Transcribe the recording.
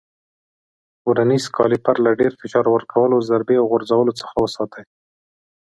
ورنیز کالیپر له ډېر فشار ورکولو، ضربې او غورځولو څخه وساتئ.